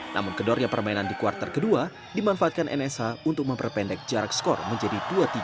namun kedornya permainan di kuartal kedua dimanfaatkan nsh untuk memperpendek jarak skor menjadi dua puluh tiga tiga puluh lima